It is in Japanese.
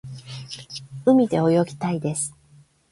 海で泳ぎたいです。